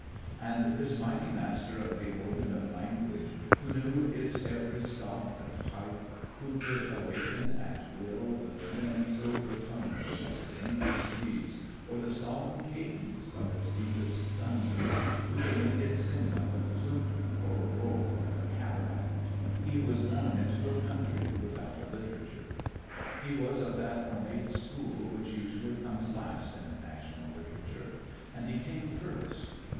And this mighty master of the organ of language, who knew its every stop and pipe, who could awaken at will the thin silver tones of its slenderest reeds or the solemn cadence of its deepest thunder, who could make it sing like a flute or roar like a cataract, he was born into a country without a literature. He was of that ornate school which usually comes last in a national literature, and he came first.